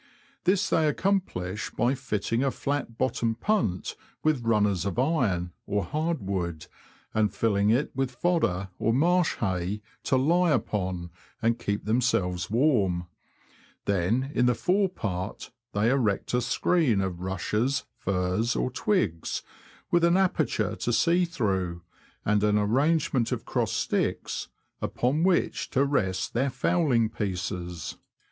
This they accomplish by fitting a flat bottomed punt with runners of iron, or hard wood, and filling it with fodder, or marsh hay, to lie upon, and keep themselves warm ; then, in the fore part, they erect a screen of rushes, furze, or twigs, with an aperture to see through, and an arrangement of crossed sticks, upon which to rest their fowling pieces.